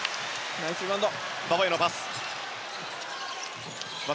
ナイスリバウンド。